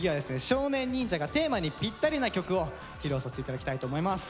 少年忍者がテーマにぴったりな曲を披露させて頂きたいと思います。